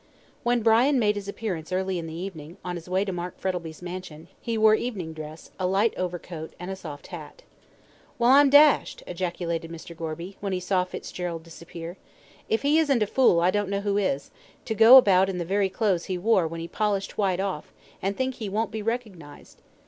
When Brian made his appearance early in the evening, on his way to Mark Frettlby's mansion, he wore evening dress, a light overcoat, and a soft hat. "Well, I'm dashed!" ejaculated Mr. Gorby, when he saw Fitzgerald disappear; "if he isn't a fool I don't know who is, to go about in the very clothes he wore when he polished Whyte off, and think he won't be recognised.